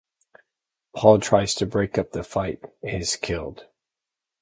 Paul tries to break up the fight and is killed.